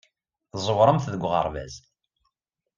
Tẓewremt deg uɣerbaz.